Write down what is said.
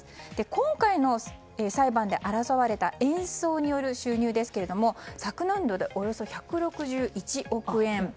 今回の裁判で争われた演奏による収入ですが昨年度で、およそ１６１億円。